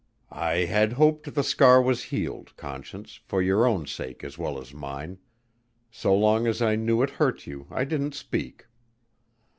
"I had hoped the scar was healed, Conscience, for your own sake as well as mine. So long as I knew it hurt you, I didn't speak."